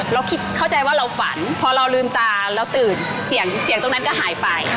เราคิดเข้าใจว่าเราฝันพอเราลืมตาเราตื่นเสียงตรงนั้นก็หายไป